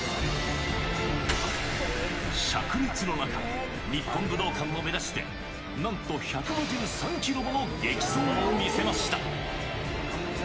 しゃく熱の中、日本武道館を目指して、なんと１５３キロもの激走を見せました。